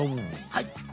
はい。